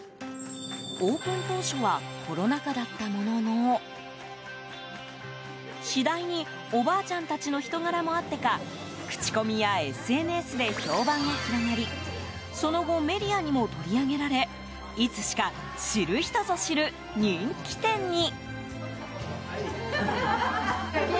オープン当初はコロナ禍だったものの次第に、おばあちゃんたちの人柄もあってか口コミやＳＮＳで評判が広がりその後メディアにも取り上げられいつしか知る人ぞ知る人気店に。